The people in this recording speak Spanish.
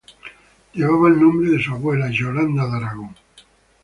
Llevaba el nombre de su abuela, Yolanda de Aragón.